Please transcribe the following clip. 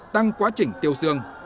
tăng quá trình tiêu xương